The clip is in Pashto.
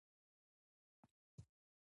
موږ د خپل کلتور ساتلو لپاره ډېرې هڅې کړې دي.